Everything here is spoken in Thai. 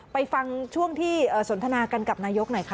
ไปฟังช่วงที่สนทนากันกับนายกหน่อยค่ะ